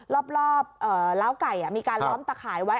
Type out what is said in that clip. รอบล้าวไก่มีการล้อมตะข่ายไว้